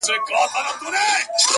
خر د خنکيانې په خوند څه پوهېږي.